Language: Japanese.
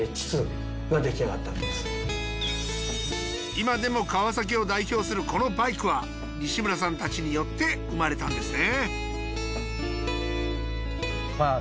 今でもカワサキを代表するこのバイクは西村さんたちによって生まれたんですね